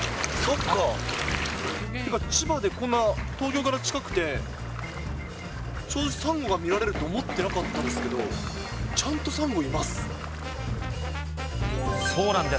っていうか、千葉で、こんな、東京から近くて、正直、サンゴが見られると思ってなかったですけど、ちゃんとサンゴいまそうなんです。